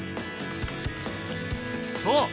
そう！